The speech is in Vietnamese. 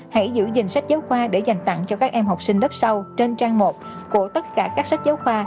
hãy giữ gìn sách giáo khoa để dành tặng cho các em học sinh lớp sau trên trang một của tất cả các sách giáo khoa